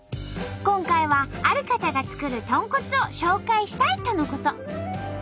今回はある方が作る「とんこつ」を紹介したいとのこと。